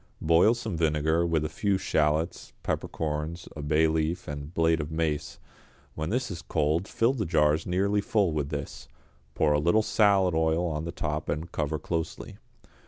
Boil some vinegar with a few shallots, peppercorns, a bay leaf and blade of mace; when this is cold fill the jars nearly full with this, pour a little salad oil on the top and cover closely.